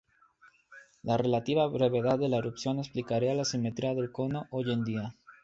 La relativa brevedad de la erupción explicaría la simetría del cono hoy en día.